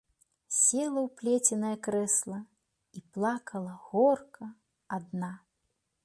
Села ў плеценае крэсла і плакала горка адна.